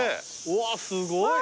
うわーすごい。